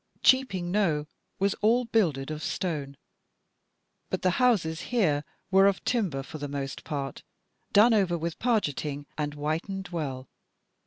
Cheaping Knowe was all builded of stone; but the houses here were of timber for the most part, done over with pargeting and whitened well.